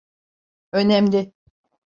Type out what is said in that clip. Önemli.